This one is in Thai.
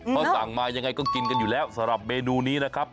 เขาสั่งมายังไงก็กินกันอยู่แล้วสำหรับเมนูนี้นะครับ